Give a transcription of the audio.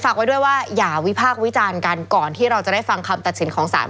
ไว้ด้วยว่าอย่าวิพากษ์วิจารณ์กันก่อนที่เราจะได้ฟังคำตัดสินของศาล